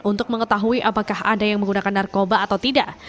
untuk mengetahui apakah ada yang menggunakan narkoba atau tidak